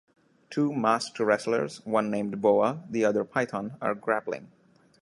Two masked wrestlers, one named "Boa" the other "Python", are grappling.